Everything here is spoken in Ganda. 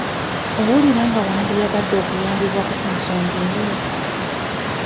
Owulira nga wandiyagadde okuyambibwako ku nsonga eyo?